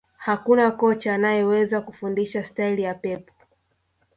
Hakuna kocha anayeweza kufundisha staili ya Pep